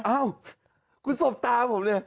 อ้าวคุณสบตาผมเลย